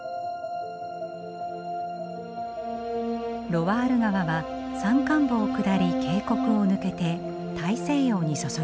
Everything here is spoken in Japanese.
ロワール川は山間部を下り渓谷を抜けて大西洋に注ぎ込みます。